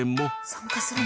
参加するの？